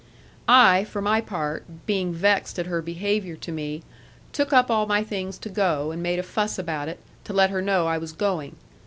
I, for my part, being vexed at her behaviour to me, took up all my things to go, and made a fuss about it; to let her know I was going.